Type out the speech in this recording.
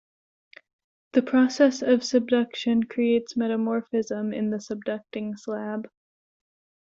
The process of subduction creates metamorphism in the subducting slab.